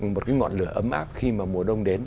một cái ngọn lửa ấm áp khi mà mùa đông đến